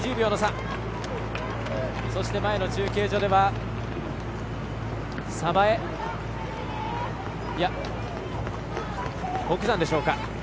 そして、前の中継所では北山でしょうか。